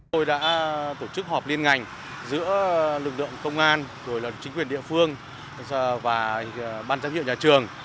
tôi đã tổ chức họp liên ngành giữa lực lượng công an rồi là chính quyền địa phương và ban giám hiệu nhà trường